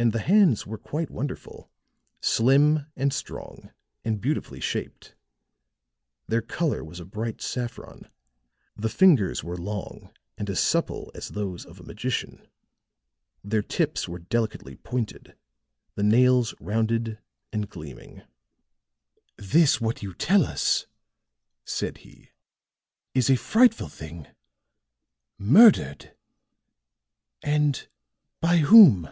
And the hands were quite wonderful, slim and strong and beautifully shaped. Their color was a bright saffron, the fingers were long and as supple as those of a magician; their tips were delicately pointed, the nails rounded and gleaming. "This what you tell us," said he, "is a frightful thing! Murdered! And by whom?"